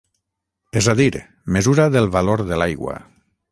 És a dir, mesura del valor de l'aigua.